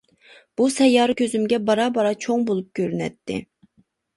بۇ سەييارە كۆزۈمگە بارا-بارا چوڭ بولۇپ كۆرۈنەتتى.